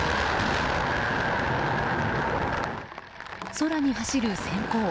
空に走る閃光。